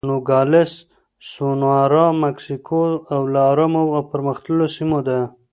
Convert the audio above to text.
نوګالس سونورا د مکسیکو له ارامو او پرمختللو سیمو ده.